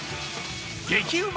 激うま！